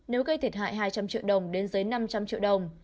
nếu gây thiệt hại hai trăm linh triệu đồng đến dưới năm trăm linh triệu đồng